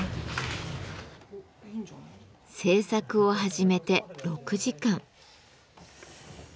制作を始めて６時間。